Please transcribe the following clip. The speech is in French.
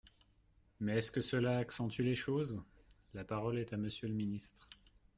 Mais est-ce que cela accentue les choses ? La parole est à Monsieur le ministre.